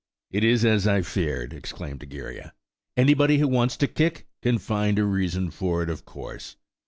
"It is as I feared," exclaimed Egeria. "Anybody who wants to kick, can find a reason for it, of course."